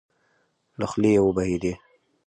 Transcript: له خولې يې وبهېدې.